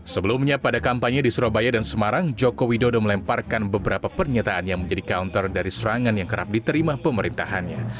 sebelumnya pada kampanye di surabaya dan semarang joko widodo melemparkan beberapa pernyataan yang menjadi counter dari serangan yang kerap diterima pemerintahannya